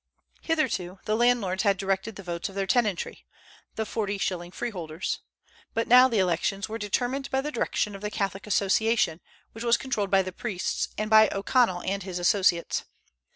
Hitherto the landlords had directed the votes of their tenantry, the forty shilling freeholders; but now the elections were determined by the direction of the Catholic Association, which was controlled by the priests, and by O'Connell and his associates.